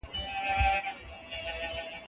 سیاستپوهنه د راتلونکي لپاره دقیق اټکل نه سي کولای.